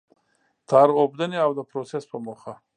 تار اوبدنې او د پروسس په موخه.